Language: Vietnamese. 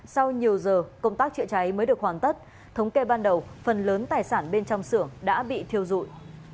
sau nhiều giờ công tác chữa cháy mới được hoàn tất thống kê ban đầu phần lớn tài sản bên trong xưởng đã bị thiêu dụi